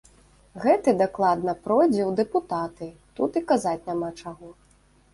Гэты дакладна пройдзе ў дэпутаты, тут і казаць няма чаго.